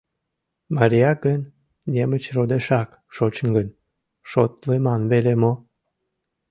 Марияк гын, Немычродешак шочын гын, шотлыман веле мо?